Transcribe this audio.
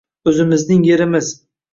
Oʻzimizning yerimiz.